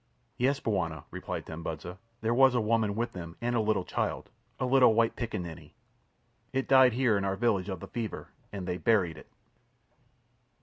"Yes, bwana," replied Tambudza, "there was a woman with them and a little child—a little white piccaninny. It died here in our village of the fever and they buried it!"